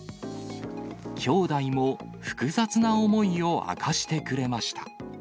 兄弟も複雑な思いを明かしてくれました。